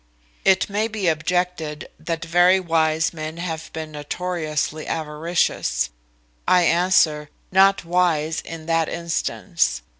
It may be objected, that very wise men have been notoriously avaricious. I answer, Not wise in that instance.